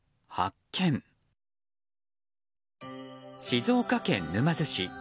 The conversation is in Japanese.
静岡県沼津市。